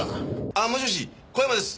ああもしもし小山です。